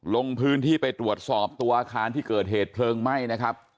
ลงพื้นที่ไปตรวจสอบตัวอาคารที่เกิดเหตุเพลิงไหม้นะครับ